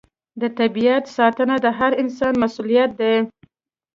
د طبیعت ساتنه د هر انسان مسوولیت دی.